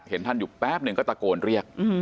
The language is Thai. เห็นท่านอยู่แป๊บหนึ่งก็ตะโกนเรียก